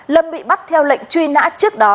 lâm bị bắt theo lệnh truy nã trước đó